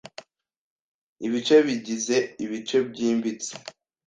Ibice bigize ibice byimbitse